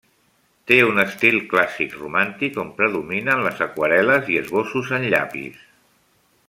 Té un estil clàssic romàntic on predominen les aquarel·les i esbossos en llapis.